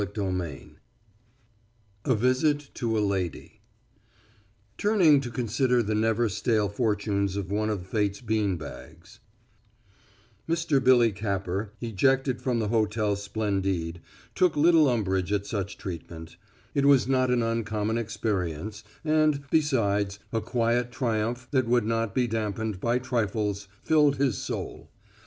CHAPTER X A VISIT TO A LADY Turning to consider the never stale fortunes of one of fate's bean bags Mr. Billy Capper, ejected from the Hotel Splendide, took little umbrage at such treatment; it was not an uncommon experience, and, besides, a quiet triumph that would not be dampened by trifles filled his soul.